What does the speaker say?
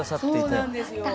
そうなんですよ。